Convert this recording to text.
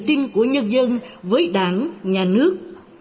tìm tin của nhân dân với đảng nhà nước